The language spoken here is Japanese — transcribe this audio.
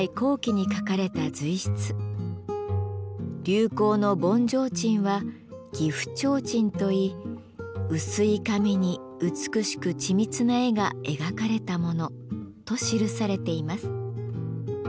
「流行の盆提灯は岐阜提灯といい薄い紙に美しく緻密な絵が描かれたもの」と記されています。